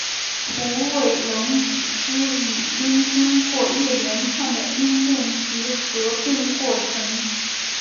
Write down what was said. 虎尾垄语之语音经过一连串的音变及合并过程。